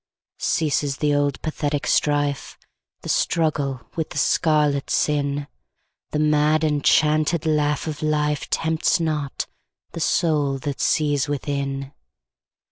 Ceases the old pathetic strife, The struggle with the scarlet sin:The mad enchanted laugh of lifeTempts not the soul that sees within.